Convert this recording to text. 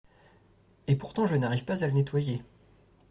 Et pourtant, je n’arrive pas à le nettoyer.